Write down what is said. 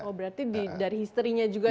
oh berarti dari history nya juga